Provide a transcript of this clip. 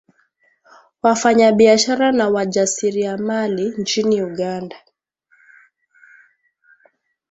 wafanyabiashara na wajasiriamali nchini Uganda